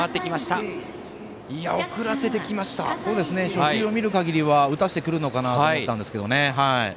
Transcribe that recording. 初球を見るかぎりは打たせてくるのかなと思ってたんですけどね。